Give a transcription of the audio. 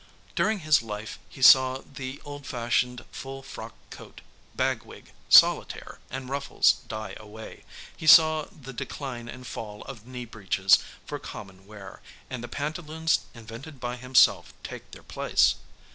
During his life he saw the old fashioned full frock coat, bagwig, solitaire, and ruffles die away; he saw the decline and fall of knee breeches for common wear, and the pantaloons invented by himself take their place.